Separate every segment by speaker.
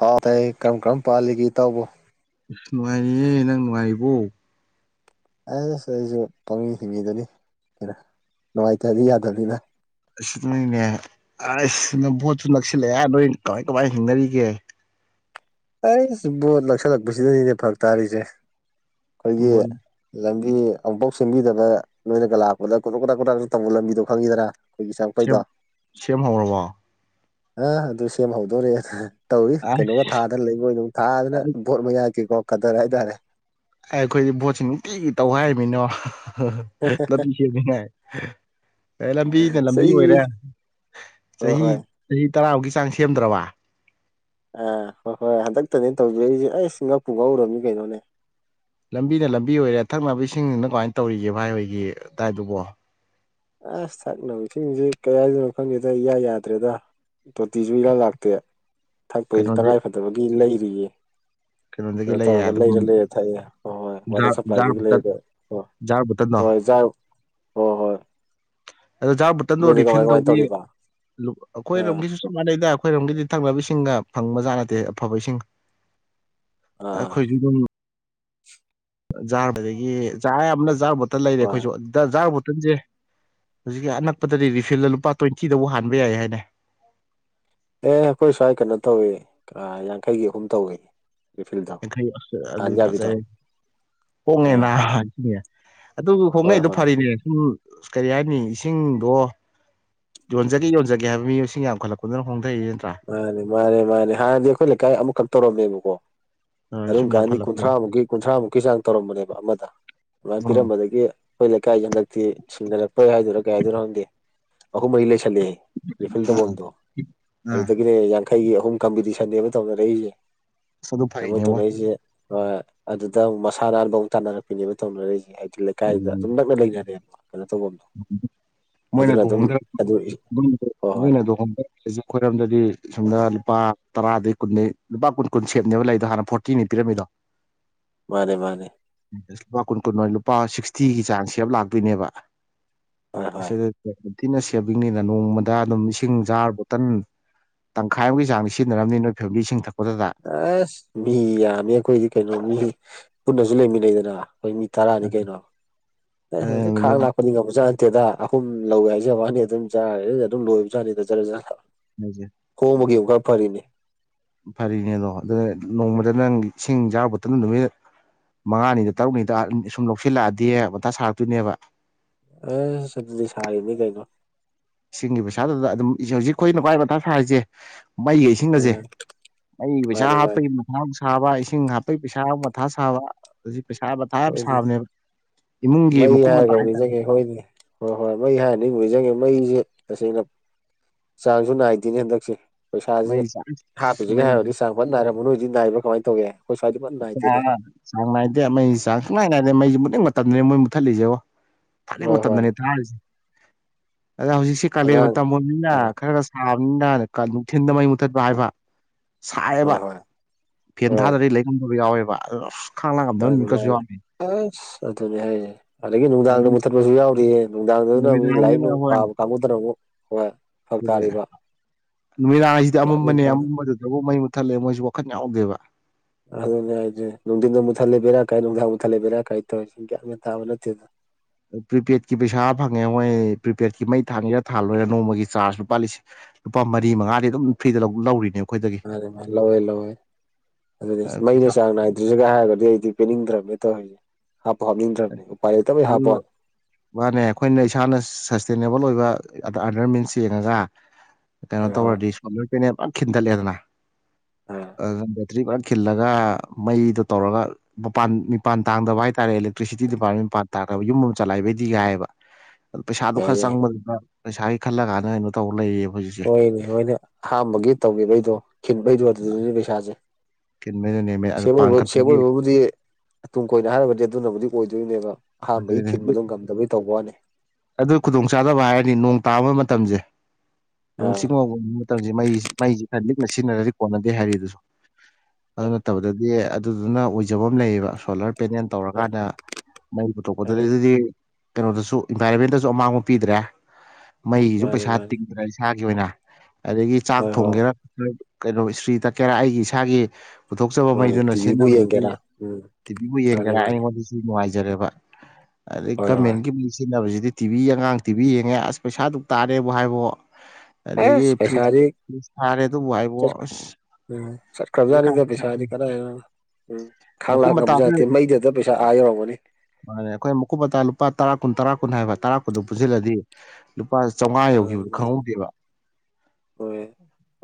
Speaker 1: ꯍꯥꯎ ꯇꯥꯏꯌꯦ ꯀꯔꯝ ꯀꯔꯝ ꯄꯥꯜꯂꯤꯒꯦ ꯏꯇꯥꯎꯕꯣ꯫
Speaker 2: ꯅꯨꯡꯉꯥꯏꯔꯤꯌꯦ ꯅꯪ ꯅꯨꯡꯉꯥꯏꯔꯤꯕꯣ꯫
Speaker 1: ꯑꯁ ꯑꯩꯖꯨ ꯄꯍꯤꯡ ꯍꯤꯡꯉꯤꯗꯨꯅꯤ ꯅꯨꯡꯉꯥꯏꯇꯦ ꯍꯥꯏꯕꯗꯤ ꯌꯥꯗꯝꯅꯤꯅ꯫
Speaker 2: ꯑꯁ ꯃꯩꯅꯦ ꯑꯩꯁ ꯚꯣꯠꯁꯨ ꯅꯛꯁꯤꯜꯂꯛꯑꯦ ꯅꯣꯏ ꯀꯃꯥꯏ ꯀꯃꯥꯏ ꯍꯤꯡꯅꯔꯤꯒꯦ꯫
Speaker 1: ꯑꯩꯁ ꯕꯣꯠ ꯅꯛꯁꯜꯂꯛꯄꯁꯤꯗꯅꯤꯅꯦ ꯐꯔꯛ ꯇꯥꯔꯤꯖꯦ ꯑꯩꯈꯣꯏꯒꯤ
Speaker 2: ꯅꯝꯕꯣꯠ
Speaker 1: ꯂꯝꯕꯤ ꯑꯃꯨꯛꯐꯥꯎ ꯁꯦꯝꯕꯤꯗꯕ ꯅꯣꯏꯅꯒ ꯂꯥꯛꯄꯗ ꯀꯣꯗꯣꯛ ꯀꯗꯥꯛ ꯇꯧꯕ ꯂꯝꯕꯤꯗꯣ ꯈꯪꯉꯤꯗꯅ ꯑꯩꯈꯣꯏꯒꯤ
Speaker 2: ꯁꯦꯝ
Speaker 1: ꯆꯪꯄꯩꯗꯣ
Speaker 2: ꯁꯦꯝ ꯍꯧꯔꯕꯣ
Speaker 1: ꯑ ꯑꯗꯨ ꯁꯦꯝꯍꯧꯗꯣꯔꯦꯅ ꯇꯧꯏ
Speaker 2: ꯑꯁ
Speaker 1: ꯀꯩꯅꯣꯒ ꯊꯥꯗ ꯂꯩꯉꯣꯏꯒ ꯊꯥꯗꯅ ꯚꯣꯠ ꯃꯌꯥꯒꯤꯀꯣ ꯀꯗꯔ ꯍꯥꯏꯇꯥꯔꯦ
Speaker 2: ꯑꯩꯈꯣꯏꯗꯤ ꯚꯣꯠꯁꯤ ꯅꯨꯡꯇꯤꯒꯤ ꯇꯧ ꯍꯥꯏꯔꯤꯝꯅꯤꯅꯣ ꯂꯝꯕꯤꯅꯤꯅꯦ ꯑꯦ ꯂꯝꯕꯤꯅ ꯂꯝꯕꯤ
Speaker 1: ꯆꯍꯤ
Speaker 2: ꯑꯣꯏꯔꯦ
Speaker 1: ꯍꯣꯏ
Speaker 2: ꯆꯍꯤ
Speaker 1: ꯍꯣꯏ
Speaker 2: ꯆꯍꯤ ꯇꯔꯥꯃꯨꯛꯀꯤ ꯆꯥꯡ ꯁꯦꯝꯗ꯭ꯔꯕ
Speaker 1: ꯑ ꯍꯣꯏ ꯍꯣꯏ ꯍꯟꯗꯛꯇꯅꯦ ꯇꯧꯖꯔꯛꯔꯤꯏꯁꯦ ꯑꯩꯁ ꯉꯛꯄꯨ ꯉꯧꯎꯔꯃꯤ ꯀꯩꯅꯣꯅꯦ
Speaker 2: ꯂꯝꯕꯤꯅ ꯂꯝꯕꯤ ꯑꯣꯏꯔꯦ ꯊꯛꯅꯕ ꯏꯁꯤꯡꯁꯤꯅ ꯀꯃꯥꯏꯅ ꯇꯧꯔꯤꯒꯦ ꯚꯥꯏ ꯍꯣꯏꯒꯤ ꯑꯗꯨꯗꯥꯏꯗꯨꯕꯣ
Speaker 1: ꯑꯁ ꯊꯛꯅꯕꯁꯤꯡꯁꯤ ꯀꯩꯍꯥꯏꯗꯅꯣ ꯈꯪꯒꯦꯗ ꯏꯌꯥ ꯌꯥꯗ꯭ꯔꯦꯗꯣ ꯇꯣꯇꯤꯁꯨ ꯏꯔꯥꯛ ꯂꯥꯛꯇꯦ ꯊꯛꯄꯒꯤꯁꯤ
Speaker 2: ꯀꯩꯅꯣꯗꯤ
Speaker 1: ꯇꯉꯥꯏꯐꯗꯕꯒꯤ ꯂꯩꯔꯤꯌꯦ
Speaker 2: ꯀꯩꯅꯣꯗꯒꯤ ꯂꯩꯔꯦ
Speaker 1: ꯑꯇꯧꯔꯒ
Speaker 2: ꯑꯗꯨꯝ
Speaker 1: ꯂꯩꯔ ꯂꯩꯔ ꯊꯥꯏ ꯍꯣꯏ ꯋꯥꯇꯔ
Speaker 2: ꯖꯥꯔ ꯖꯥꯔ
Speaker 1: ꯁꯄ꯭ꯂꯥꯏꯗꯒꯤ
Speaker 2: ꯕꯣꯇꯜ
Speaker 1: ꯂꯩꯔꯒ ꯑꯣ
Speaker 2: ꯖꯥꯔ ꯕꯣꯇꯜꯗꯣ
Speaker 1: ꯍꯣꯏ ꯍꯣꯏ ꯍꯣꯏ
Speaker 2: ꯑꯗꯣ ꯖꯥꯥꯔ ꯕꯣꯇꯟꯗꯣ
Speaker 1: ꯅꯣꯏꯗꯤ ꯀꯃꯥꯏ
Speaker 2: ꯔꯤꯐꯤꯜ
Speaker 1: ꯀꯃꯥꯏ
Speaker 2: ꯇꯧꯕꯤ
Speaker 1: ꯇꯧꯔꯤꯕ ꯑꯥ
Speaker 2: ꯑꯩꯈꯣꯏꯔꯣꯝꯒꯤꯁꯨ ꯆꯞ ꯃꯥꯟꯅꯩꯗ ꯑꯩꯈꯣꯏꯔꯣꯝꯒꯤꯗꯤ ꯊꯛꯅꯕꯏꯁꯤꯡꯒ ꯐꯪꯕꯖꯥꯠ ꯅꯠꯇꯦ ꯑꯐꯕ ꯏꯁꯤꯡ
Speaker 1: [unintelligible] ꯑꯥ
Speaker 2: ꯑꯩꯈꯣꯏꯖꯨ ꯑꯗꯨꯝ ꯖꯥꯔꯗꯒꯤ ꯆꯥ ꯌꯥꯝꯅ ꯖꯥꯔ ꯕꯣꯇꯜ ꯂꯩꯔꯦ
Speaker 1: ꯍꯣꯏ
Speaker 2: ꯑꯩꯈꯣꯏꯁꯨ ꯖꯥꯔ ꯕꯣꯇꯜꯖꯦ ꯍꯧꯖꯤꯛꯀꯤ ꯑꯅꯛꯄꯗꯗꯤ ꯔꯤꯐꯤꯜꯗ ꯂꯨꯄꯥ ꯇ꯭ꯋꯦꯟꯇꯤꯗꯗꯕꯨ ꯍꯥꯟꯕ ꯌꯥꯏ ꯍꯥꯏꯅꯦ
Speaker 1: ꯑꯦ ꯑꯩꯈꯣꯏ ꯁ꯭ꯋꯥꯏ ꯀꯩꯅꯣ ꯇꯧꯏ ꯌꯥꯡꯈꯩꯒꯤ ꯑꯍꯨꯝ ꯇꯧꯏ
Speaker 2: ꯌꯥꯡꯈꯩ ꯑꯗꯨꯗꯤ ꯐꯖꯩ
Speaker 1: ꯑꯥ
Speaker 2: ꯍꯣꯡꯉꯦꯅꯉꯦ ꯑꯗꯨ
Speaker 1: ꯍꯣꯏ
Speaker 2: ꯍꯣꯡꯉꯛꯗꯣ
Speaker 1: ꯍꯣꯏ
Speaker 2: ꯐꯔꯤꯅꯦ ꯁꯨꯝ ꯀꯔꯤ ꯍꯥꯏꯅꯤ ꯏꯁꯤꯡꯗꯣ ꯌꯣꯟꯖꯒꯦ ꯌꯣꯟꯖꯒꯦ ꯍꯥꯏꯕ ꯃꯤ ꯃꯁꯤꯡ ꯌꯥꯝꯈꯠꯂꯛꯄꯗꯨꯅ ꯍꯣꯡꯊꯛꯏ ꯅ꯭ꯠꯇꯔꯥ
Speaker 1: ꯃꯥꯅꯦ ꯃꯥꯅꯦ ꯃꯥꯅꯦ ꯍꯥꯟꯅꯗꯤ ꯑꯩꯈꯣꯏ ꯂꯩꯀꯥꯏ ꯑꯃꯈꯛ ꯇꯧꯔꯝꯃꯦꯕꯀꯣ ꯑꯗꯨꯝ
Speaker 2: ꯁꯨꯝ
Speaker 1: ꯀꯥꯟꯗꯤ
Speaker 2: ꯌꯥꯝꯈꯠꯂꯛꯄꯗ
Speaker 1: ꯀꯨꯟꯊ꯭ꯔꯥꯃꯨꯛꯀꯤ ꯀꯨꯟꯊ꯭ꯔꯥꯃꯨꯛꯀꯤ ꯆꯥꯡ ꯇꯧꯔꯝꯕꯅꯦꯕ ꯑꯃꯗ ꯑꯗꯨꯃꯥꯏꯅ
Speaker 2: ꯎꯝ ꯎꯝ
Speaker 1: ꯄꯤꯔꯝꯕꯗꯒꯤ ꯑꯩꯈꯣꯏ ꯂꯩꯀꯥꯏ ꯍꯟꯗꯛꯇꯤ ꯁꯤꯁꯤꯡꯅꯔꯛꯄ꯭ꯔꯣꯏ ꯍꯥꯏꯗꯨꯔꯥ ꯀꯩ ꯍꯥꯏꯗꯣꯏꯅꯣ ꯈꯪꯗꯦ ꯑꯍꯨꯝ ꯃꯔꯤ ꯂꯩꯁꯜꯂꯛꯑꯦ ꯂꯤꯐꯤꯟ ꯇꯣꯕꯝꯗꯣ
Speaker 2: ꯎꯝ
Speaker 1: ꯑꯗꯨꯗꯒꯤꯅꯦ ꯌꯥꯡꯈꯩꯒꯤ ꯑꯍꯨꯝ ꯀꯝꯄꯤꯇꯤꯁꯟꯅꯤ ꯑꯃ ꯇꯧꯅꯔꯛꯏꯁꯦ
Speaker 2: ꯑꯁ ꯑꯗꯨ
Speaker 1: ꯑꯗ ꯃꯣꯏ
Speaker 2: ꯐꯩꯅꯦꯕꯣ
Speaker 1: ꯇꯧꯅꯔꯔꯤꯁꯦ ꯍꯣꯏ ꯑꯗꯨꯗ ꯑꯃꯨꯛ ꯃꯁꯥ ꯅꯥꯟꯕ ꯑꯃꯨꯛ ꯇꯥꯟꯅꯔꯛꯄꯤꯅꯦꯕ ꯇꯧꯅꯔꯛꯏꯁꯦ ꯍꯥꯏ ꯂꯩꯀꯥꯏꯁꯤꯗ ꯑꯗꯨꯝ ꯅꯛꯅ ꯂꯩꯅꯔꯦꯕ ꯀꯩꯅꯣ ꯇꯧꯕ
Speaker 2: ꯃꯣꯏꯅꯗꯨ ꯍꯣꯡꯗ꯭ꯔꯦ
Speaker 1: ꯑꯗꯨ ꯍꯣꯏ ꯍꯣꯏ
Speaker 2: ꯃꯣꯏꯅꯗꯨ ꯍꯣꯡꯗ꯭ꯔ ꯑꯩꯁ ꯑꯩꯈꯣꯏꯔꯣꯝꯗꯗꯤ ꯁꯣꯝꯗ ꯂꯨꯄꯥ ꯇꯔꯥꯗꯒꯤ ꯀꯨꯟꯅꯤ ꯂꯨꯄꯥ ꯀꯨꯟ ꯀꯨꯟ ꯁꯦꯕꯅꯦꯕ ꯂꯩꯗ ꯍꯥꯟꯅ ꯐꯣꯔ ꯀꯤꯅꯤ ꯄꯤꯔꯝꯃꯤꯗꯣ
Speaker 1: ꯃꯥꯅꯦ ꯃꯥꯅꯦ
Speaker 2: ꯂꯨꯄꯥ ꯀꯨꯟ ꯀꯨꯟꯃ ꯂꯨꯄꯥ ꯁꯤꯛꯁꯇꯤꯒꯤ ꯆꯥꯡꯁꯦꯞ ꯂꯥꯛꯇꯣꯏꯅꯦꯕ
Speaker 1: ꯍꯣꯏ ꯍꯣꯏ
Speaker 2: ꯑꯁꯤꯗ ꯌꯥꯝ ꯊꯤꯅ ꯁꯦꯝꯦꯕꯤꯅꯤꯅ ꯅꯣꯡꯃꯗ ꯑꯗꯨꯝ ꯏꯁꯤꯡ ꯆꯥꯔ ꯕꯣꯇꯜ ꯇꯪꯈꯥꯏ ꯑꯃꯒꯤ ꯆꯥꯡꯗꯤ ꯁꯤꯖꯤꯟꯅꯔꯝꯅꯤ ꯅꯣꯏ ꯐꯦꯃꯤꯂꯤ ꯏꯁꯤꯡ ꯊꯛꯄꯗꯨꯗ
Speaker 1: ꯑꯁ ꯃꯤ ꯌꯥꯝꯃꯤ ꯑꯩꯈꯣꯏꯗꯤ ꯀꯩꯅꯣ ꯃꯤ ꯄꯨꯟꯅꯁꯨ ꯂꯩꯃꯤꯟꯅꯩꯗꯅ ꯑꯩꯈꯣꯏ ꯃꯤ ꯇꯔꯥꯅꯤ ꯀꯩꯅꯣ ꯑꯦꯣꯏ ꯑꯗꯨ ꯈꯥꯡ
Speaker 2: ꯑꯗꯨꯅꯦ
Speaker 1: ꯂꯥꯛꯄꯅꯤ ꯉꯝꯝꯕꯖꯥꯅꯤ ꯇꯦꯗꯥ ꯑꯍꯨꯝ ꯂꯧꯋꯦ ꯍꯥꯏꯖꯕ ꯋꯥꯅꯤ ꯑꯗꯨꯝ ꯆꯥꯔꯦ ꯑꯗꯨꯝ ꯂꯣꯏꯕꯖꯥꯅꯤꯗꯖꯠꯠ
Speaker 2: ꯍꯧ
Speaker 1: ꯍꯣꯡꯕꯒꯤ ꯑꯃꯨꯛꯀꯔ ꯐꯔꯤꯅꯤ
Speaker 2: ꯐꯔꯤꯅꯦ ꯑꯗꯣ ꯑꯗꯨꯅ ꯅꯣꯡꯃꯗ ꯅꯪ ꯏꯁꯤꯡ ꯆꯥꯕꯠꯇꯅ ꯑꯗꯨꯃ ꯃꯉꯥꯅꯤꯗ ꯇꯔꯨꯛꯅꯤꯗ ꯁꯨꯝ ꯂꯧꯁꯤꯜꯂꯛꯑꯗꯤ ꯃꯊꯥ ꯁꯥꯔꯛꯇꯣꯏꯅꯦꯕ
Speaker 1: ꯑ ꯁꯤ ꯑꯗꯨꯗꯤ ꯁꯥꯔꯤꯅꯤ ꯀꯩꯅꯣ
Speaker 2: ꯁꯤꯡꯒꯤ ꯄꯩꯁꯥꯗꯨꯗ ꯑꯗꯨꯝ ꯍꯧꯖꯤꯛ ꯑꯩꯈꯣꯏꯅ ꯋꯥꯏ ꯋꯥꯊꯥ ꯁꯥꯔꯤꯁꯦ ꯃꯩꯩ ꯏꯁꯤꯡꯉꯁꯦ
Speaker 1: ꯑꯥ
Speaker 2: ꯑꯩ ꯄꯩꯁꯥ
Speaker 1: ꯃꯥꯅꯤ ꯃꯥꯅꯤ
Speaker 2: ꯍꯥꯞꯄꯒꯤ ꯁꯥꯕ ꯏꯁꯤꯡ ꯍꯥꯞꯄꯩ ꯄꯩꯁꯥ ꯑꯃꯨꯛ ꯃꯊꯥ ꯁꯥꯕ ꯑꯁꯤ ꯄꯩꯁꯥ ꯌꯥꯝ
Speaker 1: ꯍꯣꯏꯗꯤ
Speaker 2: ꯁꯥꯕꯅꯦꯕ ꯏꯃꯨꯡꯒꯤ
Speaker 1: ꯃꯩ
Speaker 2: ꯃꯀꯨꯞ ꯃꯇꯥ ꯍꯥꯏꯇꯥꯔꯦ
Speaker 1: ꯍꯥꯏꯔꯒꯧꯅꯤꯖꯒꯦ ꯍꯣꯏꯗꯤ ꯍꯣꯏ ꯍꯣꯏ ꯃꯩ ꯍꯥꯏꯔꯅꯤ ꯂꯣꯏꯖꯪꯉꯦ ꯃꯩꯁꯦ ꯇꯁꯦꯡꯅ ꯆꯥꯡꯁꯨ ꯅꯥꯏꯗꯦꯅꯦ ꯍꯟꯗꯛꯁꯦ
Speaker 2: ꯃꯩ
Speaker 1: ꯄꯩꯁꯥꯁꯦ
Speaker 2: ꯆꯥꯡ
Speaker 1: ꯍꯥꯞꯄꯁꯤꯒꯦ
Speaker 2: ꯃꯩ
Speaker 1: ꯍꯥꯏꯔꯗꯤ ꯆꯥꯡ ꯐꯠ ꯅꯥꯏꯔꯝꯃ ꯅꯣꯏꯖꯤꯗꯤ ꯅꯥꯏꯕ꯭ꯔꯥ ꯀꯃꯥꯏꯅ ꯇꯧꯒꯦ ꯁ꯭ꯋꯥꯏꯗꯤ ꯐꯖꯅ ꯅꯥꯏꯗꯦꯅꯦ
Speaker 2: ꯆꯥꯡ ꯅꯥꯏꯗꯦ ꯃꯩ ꯆꯥꯡ ꯁꯥꯡꯅꯥꯏ ꯅꯥꯏꯗꯦ ꯃꯩꯁꯤ ꯃꯨꯠꯅꯤꯡ ꯃꯇꯝꯗꯨꯅꯦ ꯃꯣꯏ ꯃꯨꯠꯊꯠꯂꯤꯁꯦꯕ ꯐꯅꯦꯛ
Speaker 1: ꯍꯣꯏ ꯍꯣꯏ
Speaker 2: ꯃꯇꯝꯗꯅꯦ ꯊꯥꯔꯤꯁꯦ ꯑꯗ ꯍꯧꯖꯤꯛꯁꯤ ꯀꯥꯂꯦꯟ
Speaker 1: ꯑꯉꯥꯡ
Speaker 2: ꯃꯇꯝꯝꯕꯣꯅꯤꯅ
Speaker 1: ꯑꯥ
Speaker 2: ꯈꯔ ꯈ ꯊꯕꯅꯤꯅ ꯅꯨꯡꯊꯤꯟꯜꯗ ꯃꯩ ꯃꯨꯊꯠꯄ ꯍꯥꯏꯕ ꯁꯥꯏꯌꯦꯕ
Speaker 1: ꯍꯣꯏ ꯍꯣꯏ
Speaker 2: ꯐꯦꯟ
Speaker 1: ꯍꯣꯏ
Speaker 2: ꯊꯥꯗꯗꯤ ꯂꯩꯉꯝꯗꯕ ꯌꯥꯎꯋꯦꯕ ꯑꯗꯨ ꯈꯥꯡꯂꯥꯡ ꯉꯝꯗꯕ
Speaker 1: ꯑꯗꯨꯃ
Speaker 2: ꯅꯨꯃꯤꯠꯀꯁꯨ ꯌꯥꯎꯋꯦ
Speaker 1: ꯑꯁ ꯑꯗꯨꯅꯤ ꯍꯥꯏꯌꯦ ꯑꯗꯒꯤ ꯅꯨꯡꯗꯥꯡꯗ ꯃꯨꯊꯠꯄꯁꯨ ꯌꯥꯎꯔꯤꯌꯦ ꯅꯨꯡꯗꯥꯅ ꯃꯥ ꯂꯥꯏꯔꯤꯛ
Speaker 2: ꯅꯨꯃꯤꯗꯥꯡꯁꯤꯅ
Speaker 1: ꯅꯨꯡ ꯄꯥꯕ ꯀꯃꯗꯔ ꯍ
Speaker 2: ꯑꯗꯨꯅꯦ ꯅꯨꯃꯤꯗꯥꯡ ꯍꯥꯏꯁꯤꯗꯤ
Speaker 1: ꯒ꯭ꯌꯥꯟ ꯃꯦꯟ
Speaker 2: ꯑꯃꯝꯕꯅꯦ
Speaker 1: ꯇꯥꯗꯦ
Speaker 2: ꯑꯃꯝꯕꯗꯨꯗꯐꯥꯎꯛ ꯃꯩ ꯃꯨꯠꯊꯠꯂꯦ ꯃꯣꯏꯁꯨ ꯋꯥꯈꯟ ꯌꯥꯎꯍꯧꯗꯦꯕ
Speaker 1: ꯑꯗꯨꯅꯦ ꯍꯥꯏꯁꯦ ꯅꯨꯡꯊꯤꯟꯗ ꯃꯨꯊꯠꯂꯦ ꯕꯤꯔꯥ ꯀꯥꯏ ꯅꯨꯡꯗꯥꯡ ꯃꯨꯊꯠ ꯂꯦꯕꯤꯔꯥ ꯀꯥꯏ ꯇꯧꯁꯤꯡ ꯀꯌꯥꯅ ꯇꯥꯕ ꯅꯠꯇꯦꯗꯅ
Speaker 2: ꯄ꯭ꯔꯤꯄꯦꯗꯀꯤ ꯄꯩꯁꯥ ꯐꯪꯉꯦ ꯍꯣꯏ ꯄ꯭ꯔꯤꯄꯦꯗꯀꯤ ꯃꯩ ꯊꯥꯡꯉꯔꯥ ꯊꯥꯜꯂꯣꯏꯔꯥ ꯅꯣꯡꯃꯒꯤ ꯆꯥꯔꯖ ꯂꯨꯄꯥ ꯂꯤꯁꯤꯡ ꯂꯨꯄꯥ ꯃꯔꯤ ꯃꯉꯥꯗꯤ ꯑꯗꯨꯝ ꯐ꯭ꯔꯤꯗ ꯂꯧ ꯂꯧꯔꯤꯅꯦ ꯑꯩꯈꯣꯏꯗꯒꯤ
Speaker 1: ꯃꯥꯅꯤ ꯃꯥ ꯂꯧꯋꯦ ꯂꯧꯋꯦ ꯑꯗꯨꯗꯤ ꯃꯩꯅ
Speaker 2: ꯄꯩꯁꯥ
Speaker 1: ꯆꯥꯡ ꯅꯥꯏꯦ ꯑꯗꯨꯁꯤꯒ ꯍꯥꯏꯔꯒꯗꯤ ꯑꯩꯗꯤ ꯄꯤꯅꯤꯡꯗ꯭ꯔꯕꯅꯦ ꯇꯧꯔꯤꯁꯦ ꯍꯥꯞꯄꯣ ꯍꯥꯞꯅꯤꯡꯗ꯭ꯔꯕꯅꯤ ꯎꯄꯥꯏ ꯂꯩꯇꯕꯩ
Speaker 2: ꯑꯗꯨ
Speaker 1: ꯍꯥꯄꯣꯅꯤ
Speaker 2: ꯃꯥꯅꯦ ꯑꯩꯈꯣꯏꯅ ꯏꯁꯥꯅ ꯁꯁꯇꯦꯅꯦꯕꯜ ꯑꯣꯏꯕ ꯑꯔꯗꯔꯃꯤꯟꯁ ꯌꯦꯡꯉꯒ ꯀꯩꯅꯣ
Speaker 1: ꯍꯣꯏ ꯍꯣꯏ
Speaker 2: ꯇꯧꯔꯗꯤ ꯁꯣꯂꯔ ꯄꯦꯅꯦ ꯈꯤꯟꯗꯠꯂꯦꯗꯅ
Speaker 1: ꯑꯥ
Speaker 2: ꯑꯗꯨ ꯇ꯭ꯔꯤꯞꯂ ꯈꯤꯜꯂꯒ ꯃꯩꯗꯣ ꯇꯧꯔꯒ ꯃꯄꯥꯟ ꯃꯤꯄꯥꯟ ꯇꯥꯡꯗꯕ ꯍꯥꯏꯇꯥꯔꯦ ꯍꯥꯏꯇꯥꯥꯔꯦ ꯑꯦꯂꯦꯛꯇ꯭ꯔꯤꯁꯤꯇꯤ ꯗꯤꯄꯥꯔꯠꯃꯦꯟ ꯃ ꯄꯥꯟ ꯇꯕ ꯌꯨꯝ ꯑꯃ ꯆꯂꯥꯏꯕꯩꯗꯤ ꯀꯥꯏꯑꯕ ꯑꯗꯨ ꯄꯩꯁꯥꯗꯣ
Speaker 1: ꯌꯥꯏ
Speaker 2: ꯈꯔ
Speaker 1: ꯌꯥꯏ
Speaker 2: ꯆꯪꯕꯗꯨꯗ ꯄꯩꯁꯥꯒꯤ ꯈꯜꯂ ꯀꯥꯟꯗ ꯀꯩꯅꯣ ꯇꯧꯔ ꯂꯩꯌꯦꯕ ꯍꯧꯖꯤꯛꯦ
Speaker 1: ꯀꯅꯦ ꯃꯣꯏꯅ ꯑꯍꯥꯟꯕꯒꯤ ꯇꯧꯕꯩꯗꯣ ꯈꯤꯟꯕꯩꯗꯣ ꯑꯗꯨꯗꯨꯅꯦ ꯄꯩꯁꯥꯁꯦ
Speaker 2: ꯀꯤꯟꯕꯩꯗꯨꯅꯦꯃꯦ ꯑꯗꯨ
Speaker 1: ꯁꯃꯜ ꯁꯦꯃꯣꯏ
Speaker 2: ꯄꯥꯟꯈꯠꯄꯒꯤ
Speaker 1: ꯕꯨꯨꯗꯤ ꯇꯨꯡ ꯀꯣꯏꯅ ꯍꯥꯏꯔꯕꯗꯤ ꯑꯗꯨꯅꯕꯨꯗꯤ ꯑꯣꯏꯗꯣꯏꯅꯦꯕ ꯑꯍꯥꯟꯕꯒꯤ
Speaker 2: ꯑꯗꯨꯅꯦ
Speaker 1: ꯊꯤꯟꯕꯗꯣ ꯉꯝꯗꯕꯩ ꯇꯧꯕ ꯋꯥꯅꯤ
Speaker 2: ꯑꯗꯨ ꯈꯨꯗꯣꯡ ꯆꯥꯗꯕ ꯍꯥꯏꯔꯗꯤ ꯅꯣꯡ ꯇꯥꯕꯩ ꯃꯇꯝꯁꯦ ꯅꯣꯡ
Speaker 1: ꯑꯥ
Speaker 2: ꯆꯤꯡ ꯃꯇꯝꯁꯤꯃꯩꯁꯤ ꯃꯩ ꯁꯤꯈꯔ ꯂꯤꯛꯅ ꯁꯤꯖꯤꯟꯅꯔꯗꯤ ꯀꯣꯟꯅꯗꯦ ꯍꯥꯏꯔꯤꯗꯨꯁꯨ ꯑꯗꯨ ꯅꯠꯇꯕꯗꯗꯤ ꯑꯗꯨꯗꯨꯅ ꯑꯣꯏꯖꯕ ꯑꯃ ꯂꯩꯌꯦꯕ ꯁꯣꯂꯔ ꯄꯦꯅꯦꯜ ꯇꯧꯔꯀꯥꯟꯗ ꯃꯩ ꯄꯨꯊꯣꯛꯄꯗꯨꯗ
Speaker 1: ꯑꯥ
Speaker 2: ꯑꯗꯨꯗꯤ ꯀꯩꯅꯣꯗꯁꯨ ꯏꯟꯚꯥꯏꯔꯣꯟꯃꯦꯟꯗꯁꯨ ꯑꯃꯥꯡꯕ ꯄꯤꯗ꯭ꯔꯦ ꯃꯩꯒꯤꯁꯨ
Speaker 1: ꯃꯥꯅꯤ
Speaker 2: ꯄꯩꯁꯥ
Speaker 1: ꯃꯥꯅꯤ
Speaker 2: ꯇꯤꯡꯗ꯭ꯔꯥ ꯏꯁꯥꯒꯤ ꯑꯣꯏꯅ ꯑꯗꯒꯤ ꯆꯥꯛ
Speaker 1: ꯍꯣꯏ ꯍꯣꯏ
Speaker 2: ꯊꯣꯡꯒꯦꯔꯥ ꯀꯩꯅꯣ ꯏꯁꯇ꯭ꯔꯤ ꯇꯛꯀꯦꯔꯥ ꯑꯩꯒꯤ ꯏꯁꯥꯒꯤ ꯄꯨꯊꯣꯛꯆꯕ
Speaker 1: ꯍꯣꯏ
Speaker 2: ꯃꯩꯗꯨꯅ
Speaker 1: ꯇꯤꯚꯤꯕꯨ
Speaker 2: ꯁꯤꯖꯤꯟꯅꯕꯗꯨꯒꯤ
Speaker 1: ꯌꯦꯡꯒꯦꯔꯥ ꯎꯝ
Speaker 2: ꯇꯤꯚꯤꯕꯨ
Speaker 1: ꯃꯥꯅꯤ
Speaker 2: ꯌꯦꯡꯒꯔꯥ
Speaker 1: ꯃꯥꯅꯤ
Speaker 2: ꯑꯩꯉꯣꯟꯗ ꯅꯨꯡꯉꯥꯏꯖꯔꯦꯕ ꯑꯗꯩ
Speaker 1: ꯍꯣꯏ ꯍꯣꯏ
Speaker 2: ꯒꯃꯦꯟꯒꯤ ꯃꯤ ꯁꯤꯖꯤꯟꯅꯕꯁꯤꯗꯤ ꯇꯤꯚꯤ ꯑꯉꯥꯡ ꯇꯤꯚꯤ ꯌꯦꯡꯉꯦ ꯑꯁ ꯄꯩꯁꯥꯗꯨ ꯇꯥꯔꯦꯕ ꯍꯥꯏꯕꯣ ꯑꯗꯒꯤ
Speaker 1: ꯑꯦꯁ
Speaker 2: ꯐꯤꯖ
Speaker 1: ꯄꯩꯁꯥꯗꯤ
Speaker 2: ꯐꯤꯖ ꯊꯥꯔꯦ ꯑꯗꯨꯝ ꯋꯥꯏꯠ
Speaker 1: ꯆꯠ
Speaker 2: ꯣꯁ
Speaker 1: ꯎꯝ ꯆꯠ ꯀꯞꯖꯥꯅꯤꯗ ꯄꯩꯁꯥꯗꯤ ꯀꯔꯥꯏꯅꯣ ꯎꯝ ꯈꯥꯡ
Speaker 2: ꯃꯀꯨꯞ
Speaker 1: ꯂꯥꯡ
Speaker 2: ꯃꯇꯥ
Speaker 1: ꯀꯞꯖꯥꯦ
Speaker 2: ꯈꯔ
Speaker 1: ꯃꯩꯗ ꯑꯗꯨꯗ ꯄꯩꯁꯥ ꯑꯥ ꯌꯧꯔꯝꯒꯅꯤ
Speaker 2: ꯃꯥꯅꯦ ꯑꯩꯈꯣꯏ ꯃꯀꯨꯨꯞꯃꯇꯇꯥ ꯂꯨꯄꯥ ꯇꯔꯥ ꯀꯨꯟ ꯇꯔꯥ ꯀꯨꯟ ꯍꯥꯏꯕ ꯇꯔꯥ ꯀꯨꯟꯗꯣ ꯄꯨꯟꯁꯤꯜꯂꯗꯤ ꯂꯨꯄꯥ ꯆꯥꯝꯃꯉꯥ
Speaker 1: ꯃꯥꯅꯤ
Speaker 2: ꯌꯧꯈꯤꯕꯗꯣ
Speaker 1: ꯃꯥꯅꯤ
Speaker 2: ꯈꯪꯍꯧꯗꯦꯕ
Speaker 1: ꯍꯣꯏ